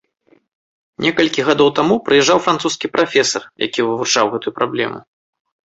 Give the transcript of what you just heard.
Некалькі гадоў таму прыязджаў французскі прафесар, які вывучаў гэтую праблему.